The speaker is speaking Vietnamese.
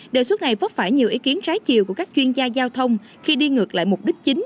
đề xuất này vấp phải nhiều ý kiến trái chiều của các chuyên gia giao thông khi đi ngược lại mục đích chính